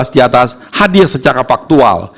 di atas hadiah secara faktual